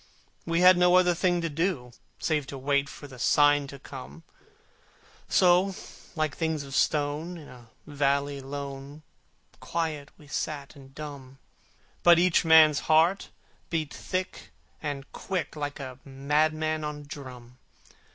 We had no other thing to do, Save to wait for the sign to come: So, like things of stone in a valley lone, Quiet we sat and dumb: But each man's heart beat thick and quick, Like a madman on a drum!